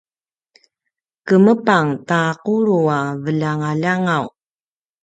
kemepang ta qulu a veljangaljangaw